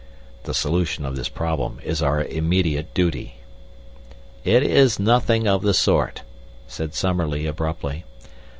The solution of this problem is our immediate duty." "It is nothing of the sort," said Summerlee, abruptly.